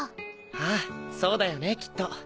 あぁそうだよねきっと。